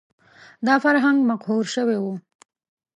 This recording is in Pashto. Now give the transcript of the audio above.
دا فرهنګ مقهور شوی و